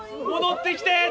戻ってきて！